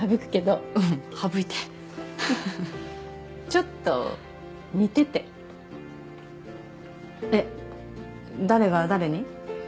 ちょっと似ててえっ誰が誰に？